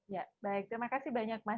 ya baik terima kasih banyak mas